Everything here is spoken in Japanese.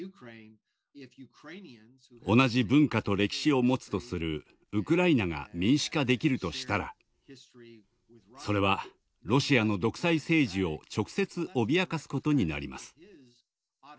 同じ文化と歴史を持つとするウクライナが民主化できるとしたらそれはロシアの独裁政治を直接脅かすことになります。